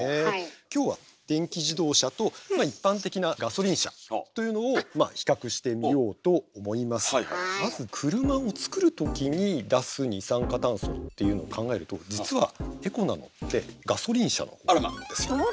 今日は電気自動車とまあ一般的なガソリン車というのを比較してみようと思いますがまず車を作る時に出す二酸化炭素っていうのを考えると実はエコなのってガソリン車のほうなんですよ。